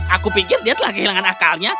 aku pikir dia telah kehilangan akalnya